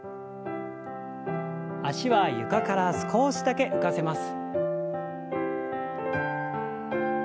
脚は床から少しだけ浮かせます。